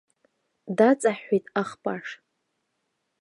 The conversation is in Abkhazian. Даҵаҳәҳәеит ахпаш.